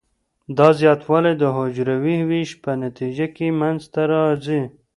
دا زیاتوالی د حجروي ویش په نتیجه کې منځ ته راځي.